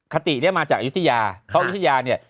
คติมาจากอุทิยาเพราะอุทิยาเนี่ย